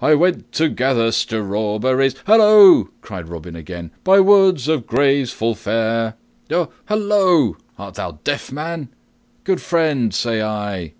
"I WENT TO GATHER STRAWBERRIES " "Halloa!" cried Robin again. "BY WOODS AND GROVES FULL FAIR " "Halloa! Art thou deaf, man? Good friend, say I!"